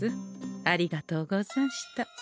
ありがとうござんした。